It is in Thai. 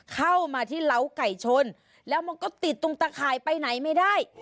เข้ามาที่เล้าไก่ชนแล้วมันก็ติดตรงตะข่ายไปไหนไม่ได้